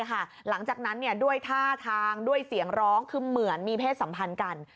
หลังจากนั้นด้วยท่าทางด้วยเสียงร้องคือเหมือนมีเพศสัมพันธ์กัน